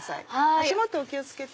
足元お気を付けて。